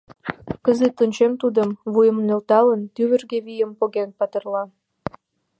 Кызыт ончем тудым, вуйым нӧлталын, Тӱвыргӧ вийым поген патырла.